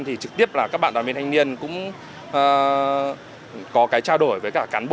thì trực tiếp là các bạn đoàn viên thanh niên cũng có cái trao đổi với cả cán bộ